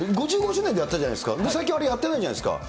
５５周年でやったじゃないですか、最近あれ、やってないじゃないですか。